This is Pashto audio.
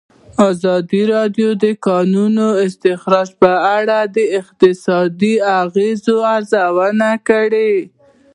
ازادي راډیو د د کانونو استخراج په اړه د اقتصادي اغېزو ارزونه کړې.